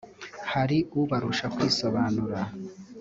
hari ubarusha kwisobanura